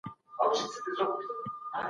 روغتیا د خدای لوی نعمت دی.